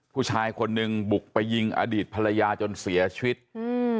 ผู้ชายคนหนึ่งบุกไปยิงอดีตภรรยาจนเสียชีวิตอืม